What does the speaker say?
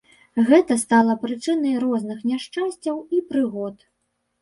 Гэта стала прычынай розных няшчасцяў і прыгод.